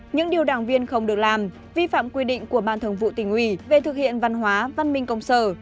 những điều đảng viên không được làm vi phạm quy định của ban thường vụ tỉnh ủy về thực hiện văn hóa văn minh công sở